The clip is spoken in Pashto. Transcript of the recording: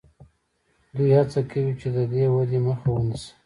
دوی هڅه کوي چې د دې ودې مخه ونیسي.